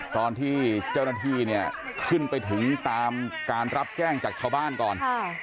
ตอนที่เจ้าหน้าที่เนี่ยขึ้นไปถึงตามการรับแจ้งจากชาวบ้านก่อน